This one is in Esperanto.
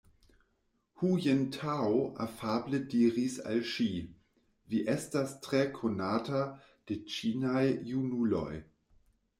Hu Jintao afable diris al ŝi: Vi estas tre konata de ĉinaj junuloj.